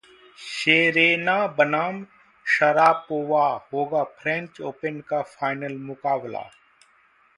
Serena बनाम Sharapova होगा French Open का फाइनल मुकाबला